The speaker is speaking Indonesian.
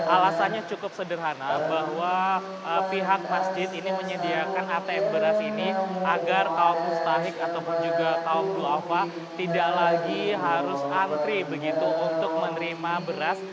alasannya cukup sederhana bahwa pihak masjid ini menyediakan atm beras ini agar kaum mustahik ataupun juga kaum ⁇ lafah tidak lagi harus antri begitu untuk menerima beras